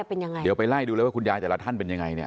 เป็นยังไงเดี๋ยวไปไล่ดูเลยว่าคุณยายแต่ละท่านเป็นยังไงเนี่ย